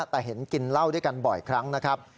แต่เห็นกินเหล้าด้วยกันบ่อยครั้งนะครับ